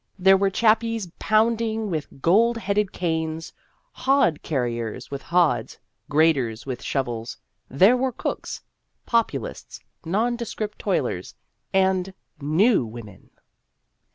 There were chappies pounding with gold headed canes, hod car riers with hods, graders with shovels ; there were cooks, populists, nondescript toilers, and " new women."